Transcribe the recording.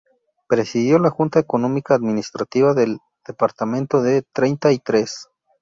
Presidió la Junta Económico-Administrativa del departamento de Treinta y Tres.